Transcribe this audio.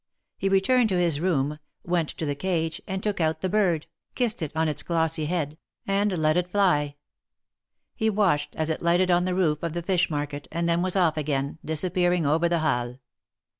He returned to his room, went to the cage, and took out the bird, kissed it on its glossy head, and let it fly. He watched as it lighted on the roof of the fish market, and then was off again, disappearing over the Halles.